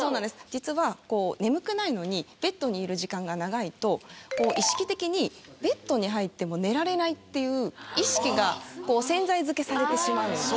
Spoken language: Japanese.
実は眠くないのにベッドにいる時間が長いと意識的にベッドに入っても寝られないっていう意識が潜在づけされてしまうんですね。